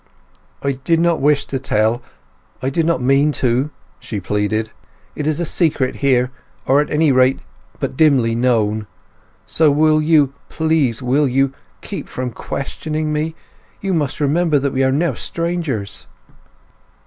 "I did not wish to tell—I did not mean to!" she pleaded. "It is a secret here, or at any rate but dimly known. So will you, please will you, keep from questioning me? You must remember that we are now strangers."